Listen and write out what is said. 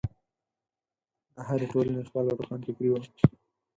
د هرې ټولنې خپله روښانفکري وي.